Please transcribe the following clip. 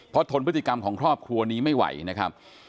เพราะทนพฤติกรรมของครอบครัวนี้ไม่ไหวนะครับ